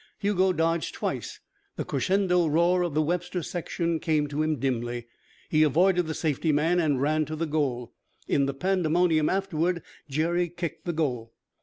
Hugo dodged twice. The crescendo roar of the Webster section came to him dimly. He avoided the safety man and ran to the goal. In the pandemonium afterwards, Jerry kicked the goal.